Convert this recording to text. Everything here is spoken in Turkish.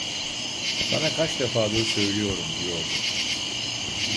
Sana kaç defadır söylüyorum diyordu.